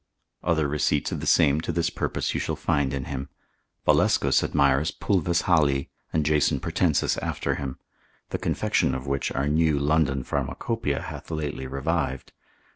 Other receipts of the same to this purpose you shall find in him. Valescus admires pulvis Hali, and Jason Pratensis after him: the confection of which our new London Pharmacopoeia hath lately revived.